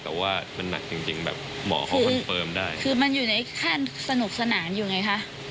แต่ว่ามันหนักจริงจริงแบบหมอเขาคอนเฟิร์มได้คือมันอยู่ในขั้นสนุกสนานอยู่ไงคะ